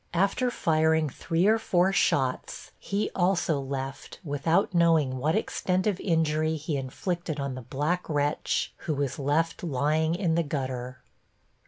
After firing three or four shots he also left without knowing what extent of injury he inflicted on the black wretch who was left lying in the gutter.